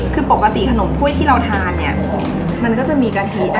คือปกติขนมถ้วยที่เราทานเนี่ยมันก็จะมีกะทิ